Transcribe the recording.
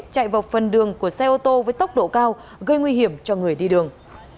chạy vào phần đường của xe ô tô với tốc độ cao gây nguy hiểm cho người đi đường